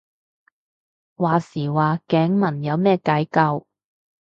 話時話頸紋有咩解救